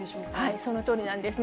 そのとおりなんですね。